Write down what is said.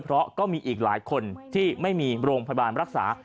เพราะก็มีอีกหลายคนที่ไม่มีโรงพยาบาลรักษา